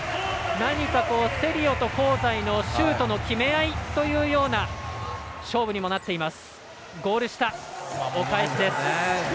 何かセリオと香西のシュートの決め合いというような勝負になっています。